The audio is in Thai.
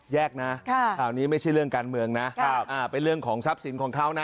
แยกนะคราวนี้ไม่ใช่เรื่องการเมืองนะเป็นเรื่องของทรัพย์สินของเขานะ